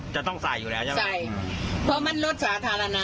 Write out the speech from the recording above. จะต้องใส่อยู่แล้วใช่มั้ย